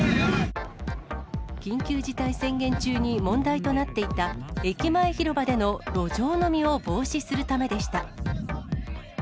緊急事態宣言中に問題となっていた、駅前広場での路上飲みを防止するためでした。